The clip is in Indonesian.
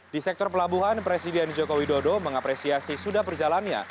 di sektor pelabuhan presiden jokowi dodo mengapresiasi sudah perjalannya